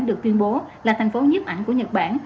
được tuyên bố là thành phố nhiếp ảnh của nhật bản